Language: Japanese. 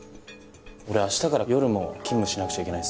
俺明日から夜も勤務しなくちゃいけないんですよ。